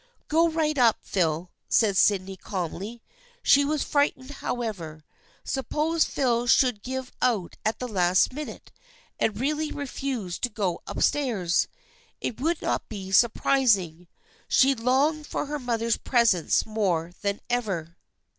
" Go right up, Phil," said Sydney calmly. She was frightened, however. Suppose Phil should give out at the last minute, and really refuse to go up stairs ! It would not be surprising. She longed for her mother's presence more than ever.